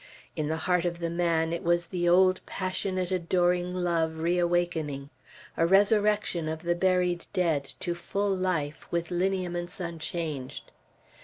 In the heart of the man it was the old passionate adoring love reawakening; a resurrection of the buried dead, to full life, with lineaments unchanged.